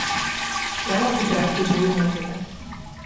Я магу граць любую музыку.